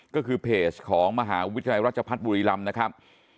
ก็คือเพจของมหาวิทยาลัยราชพัฒน์บุรีรำนะครับ